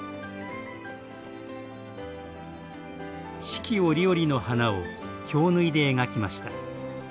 四季折々の花を京繍で描きました。